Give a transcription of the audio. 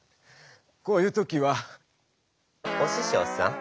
こういう時はおししょうさん